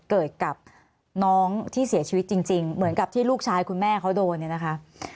เกิดกับน้องที่เสียชีวิตจริงเหมือนกับที่ลูกชายคุณแม่เขาโดนเนี่ยนะคะ